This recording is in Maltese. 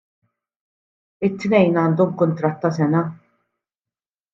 It-tnejn għandhom kuntratt ta' sena.